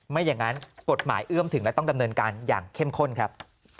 ไม่อย่างนั้นกฎหมายเอื้อมถึงและต้องดำเนินการอย่างเข้มข้นครับ